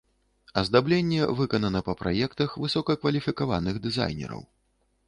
Аздабленне выканана па праектах высокакваліфікаваных дызайнераў.